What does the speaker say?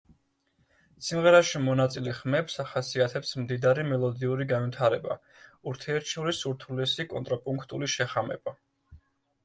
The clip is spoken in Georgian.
სიმღერაში მონაწილე ხმებს ახასიათებს მდიდარი მელოდიური განვითარება, ურთიერთშორის ურთულესი კონტრაპუნქტული შეხამება.